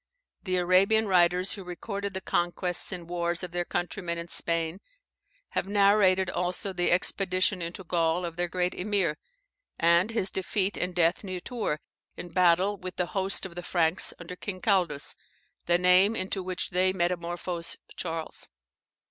The Arabian writers who recorded the conquests and wars of their countrymen in Spain, have narrated also the expedition into Gaul of their great Emir, and his defeat and death near Tours in battle with the host of the Franks under King Caldus, the name into which they metamorphose Charles.